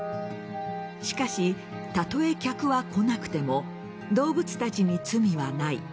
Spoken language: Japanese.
しかし、たとえ客は来なくても動物たちに罪はない。